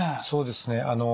そうですね。